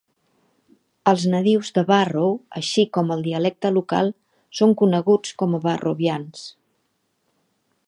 Els nadius de Barrow, així com el dialecte local, són coneguts com a barrovians.